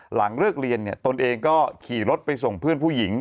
หลังเลิกเรียนตนเองก็ขี่รถไปส่งเพื่อนผู้หญิง